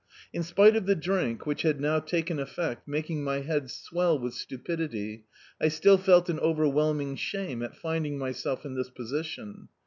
In spite of the drink, which had now taken effect, ma^ng my head swell with stupidity, I still felt an overwhelming shame at finding myself in this position.